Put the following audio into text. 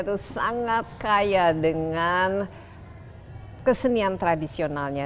itu sangat kaya dengan kesenian tradisionalnya